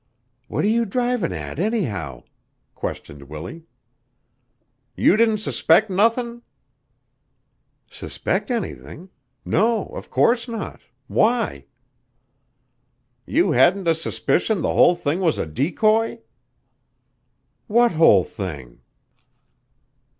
"What are you drivin' at, anyhow?" questioned Willie. "You didn't suspect nothin'?" "Suspect anything? No, of course not. Why?" "You hadn't a suspicion the whole thing was a decoy?" "What whole thing?"